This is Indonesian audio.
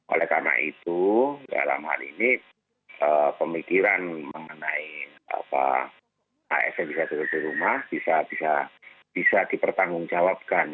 oleh karena itu dalam hal ini pemikiran mengenai asn bisa duduk di rumah bisa dipertanggungjawabkan